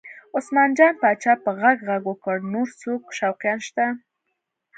عثمان جان پاچا په غږ غږ وکړ نور څوک شوقیان شته؟